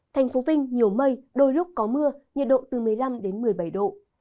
thành phố vinh nhiều mây đôi lúc có mưa nhiệt độ từ một mươi năm đến một mươi bảy độ